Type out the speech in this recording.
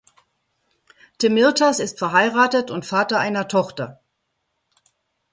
Temirtas ist verheiratet und Vater einer Tochter.